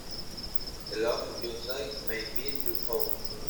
The love you save may be your own.